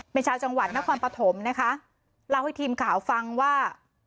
เป็นชาวจังหวัดนครปฐมนะคะเล่าให้ทีมข่าวฟังว่า